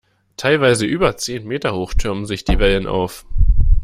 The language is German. Teilweise über zehn Meter hoch türmen sich die Wellen auf.